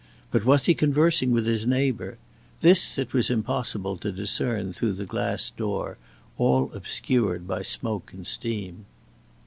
But was he conversing with his neighbor? This it was impossible to discern through the glass door, all obscured by smoke and steam.